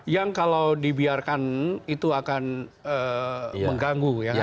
yang kalau dibiarkan itu akan mengganggu ya